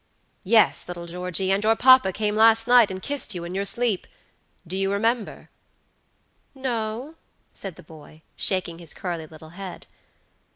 "Yes, little Georgey, and your papa came last night and kissed you in your sleep. Do you remember?" "No," said the boy, shaking his curly little head.